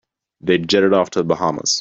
They jetted off to the Bahamas.